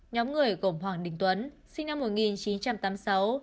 nhóm người gồm hoàng đình tuấn sinh năm một nghìn chín trăm tám mươi sáu